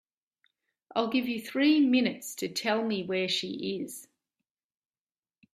I'll give you three minutes to tell me where she is.